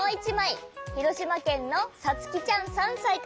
ひろしまけんのさつきちゃん３さいから。